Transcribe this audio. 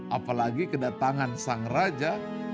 apalagi kedatangan sang raja